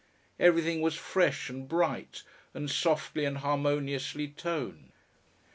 Everything was fresh and bright, and softly and harmoniously toned.